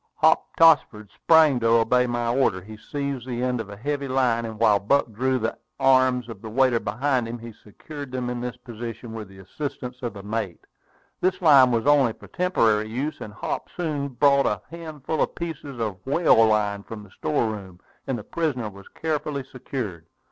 Hop Tossford sprang to obey my order. He seized the end of a heave line, and while Buck drew the arms of the waiter behind him, he secured them in this position with the assistance of the mate. This line was only for temporary use; and Hop soon brought a handful of pieces of whale line from the store room, and the prisoner was carefully secured.